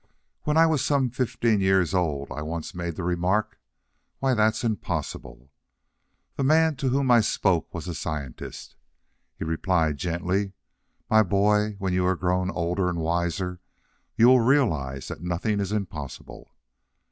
_ When I was some fifteen years old, I once made the remark, "Why, that's impossible." The man to whom I spoke was a scientist. He replied gently, "My boy, when you are grown older and wiser you will realize that nothing is impossible."